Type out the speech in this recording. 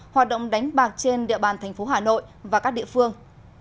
hoạt động đánh bạc trên địa bàn tp hà nội và các địa phương